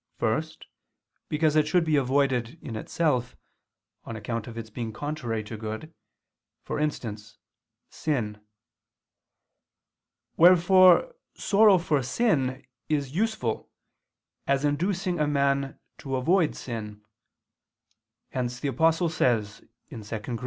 First, because it should be avoided in itself, on account of its being contrary to good; for instance, sin. Wherefore sorrow for sin is useful as inducing a man to avoid sin: hence the Apostle says (2 Cor.